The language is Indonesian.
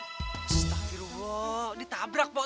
astaghfirullah ditabrak pak